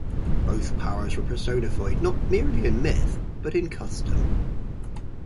Both powers were personified not merely in myth but in custom.